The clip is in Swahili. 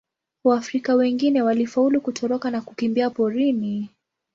Waafrika wengine walifaulu kutoroka na kukimbia porini.